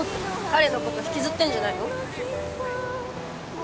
彼のこと引きずってんじゃないの？